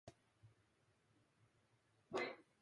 あいしてる